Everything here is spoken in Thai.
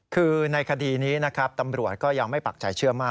คือในคดีนี้นะครับตำรวจก็ยังไม่ปักใจเชื่อมาก